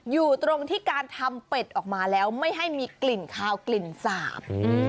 อยู่ตรงที่การทำเป็ดออกมาแล้วไม่ให้มีกลิ่นคาวกลิ่นสาบ